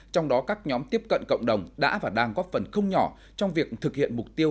trong đó các nhóm tiếp cận cộng đồng đã và đang góp phần không nhỏ trong việc thực hiện mục tiêu